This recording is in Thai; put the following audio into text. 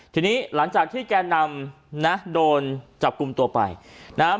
ทีนี้หลังจากที่แก่นำนะโดนจับกลุ่มตัวไปนะฮะ